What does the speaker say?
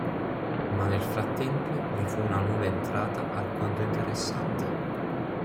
Ma nel frattempo vi fu una nuova entrata alquanto interessante.